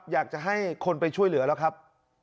อยากจะให้คนไปช่วยเหลือแล้วครับ